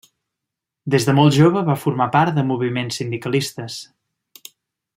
Des de molt jove va formar part de moviments sindicalistes.